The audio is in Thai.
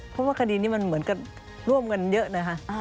เพราะว่าคดีนี้มันเหมือนกับร่วมกันเยอะนะคะ